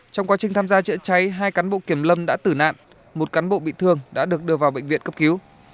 trong quá trình tham gia chữa cháy hai cán bộ kiểm lâm đã tử nạn một cán bộ bị thương đã được đưa vào bệnh viện cấp cứu